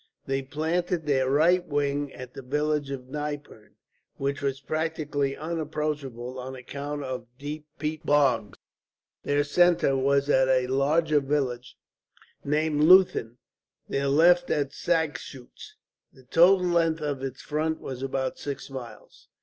They planted their right wing at the village of Nypern, which was practically unapproachable on account of deep peat bogs. Their centre was at a larger village named Leuthen, their left at Sagschuetz. The total length of its front was about six miles.